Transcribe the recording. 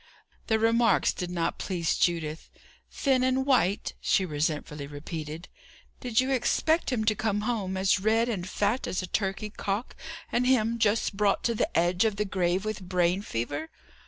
The remarks did not please Judith. "Thin and white!" she resentfully repeated. "Did you expect him to come home as red and fat as a turkey cock, and him just brought to the edge of the grave with brain fever?